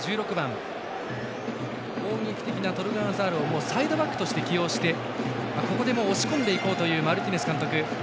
攻撃的なトルガン・アザールをサイドバックとして起用してここでも押し込んでいこうというマルティネス監督。